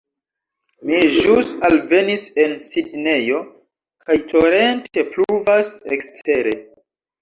Mi ĵus alvenis en Sidnejo kaj torente pluvas ekstere